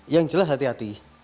yang jelas hati hati